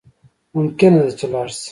ممکنه ده چی لاړ شی